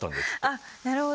あっなるほど。